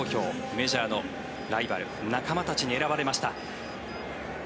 メジャーのライバル、仲間たちに選ばれました。